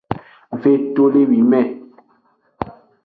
Vetolewime.